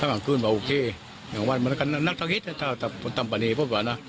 พ่อบอกประมาณไงเหมือนว่าพูดประมาณนั้น